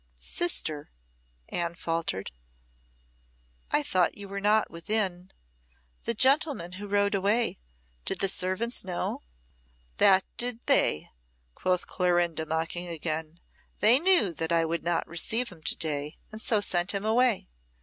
"Sister," Anne faltered, "I thought you were not within. The gentleman who rode away did the servants know?" "That did they," quoth Clorinda, mocking again. "They knew that I would not receive him to day, and so sent him away.